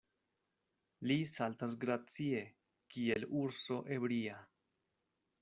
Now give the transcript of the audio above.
Li saltas gracie, kiel urso ebria.